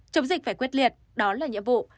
chống dịch phải quyết liệt đó là nhiệm vụ